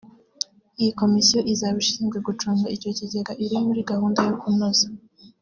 Iyi komisiyo izaba ishinzwe gucunga icyo kigega iri muri gahunda yo kunoza